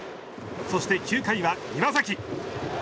そして９回は岩嵜。